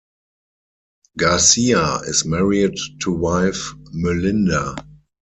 Garcia is married to wife MeLinda.